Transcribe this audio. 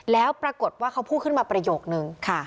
แล้วปรากฏว่าเขาพูดขึ้นมาประโยคนึง